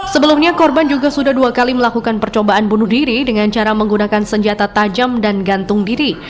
sebelumnya korban juga sudah dua kali melakukan percobaan bunuh diri dengan cara menggunakan senjata tajam dan gantung diri